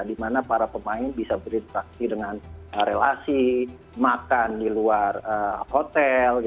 di mana para pemain bisa berinteraksi dengan relasi makan di luar hotel